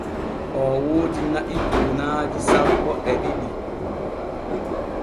Oo woodi na’i buunaaji sappo e ɗiɗi.